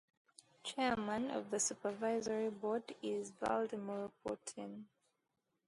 Chairman of the supervisory board is Vladimir Putin.